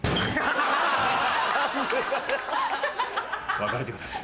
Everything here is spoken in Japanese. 別れてください。